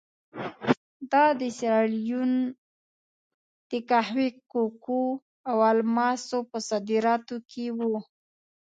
دا د سیریلیون د قهوې، کوکو او الماسو په صادراتو کې وو.